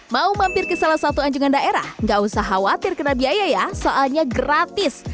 mau mampir ke salah satu anjungan daerah enggak usah khawatir kena biaya ya soalnya gratis